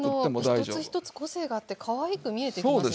一つ一つ個性があってかわいく見えてきますよね。